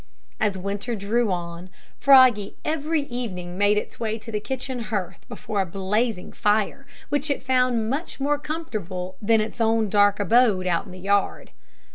As winter drew on, Froggy every evening made its way to the kitchen hearth before a blazing fire, which it found much more comfortable than its own dark abode out in the yard.